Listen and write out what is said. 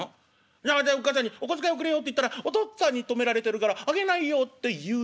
じゃああたいおっ母さんに『お小遣いおくれよ』って言ったら『お父っつぁんに止められてるからあげないよ』って言うと思ってるんだ。